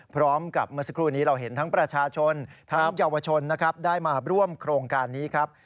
พร้อมกับเมื่อสักครู่นี้เราเห็นทั้งประชาชนทางเยาวชนได้มาร่วมโครงการนี้ครับ